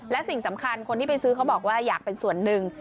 และสิ่งสำคัญคนที่ไปซื้อเขาบอกว่าอยากเป็นส่วนหนึ่ง